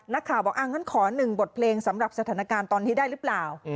นักข่าวบอกงั้นขอหนึ่งบทเพลงสำหรับสถานการณ์ตอนนี้ได้หรือเปล่า